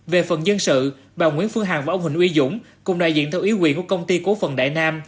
về phần dân sự bà nguyễn phương hằng và ông huỳnh uy dũng cùng đại diện theo ý quyền của công ty cố phần đại nam